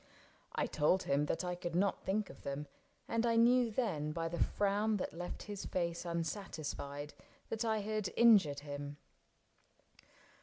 I told him that I could not think of them, And I knew then, by the frown that left his face Unsatisfied, that I had injured him.